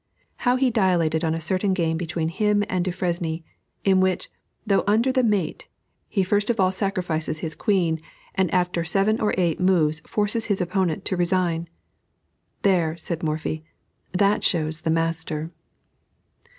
How he dilated on a certain game between him and Dufresne, in which, though under the mate, he first of all sacrifices his Queen, and after seven or eight moves forces his opponent to resign. "There," said Morphy, "that shows the master."